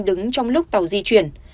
đứng trong lúc tàu di chuyển